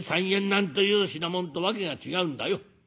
なんという品物とわけが違うんだよ。